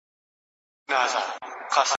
د هر پلار كيسه د زوى په وينو سره ده